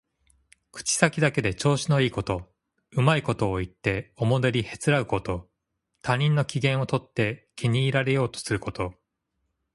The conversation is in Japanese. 口先だけで調子のいいこと、うまいことを言っておもねりへつらうこと。他人の機嫌をとって気に入られようとすること。